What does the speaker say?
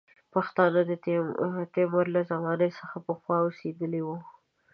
پښتانه د تیمور له زمانې څخه پخوا اوسېدلي وي.